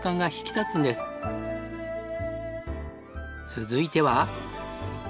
続いては。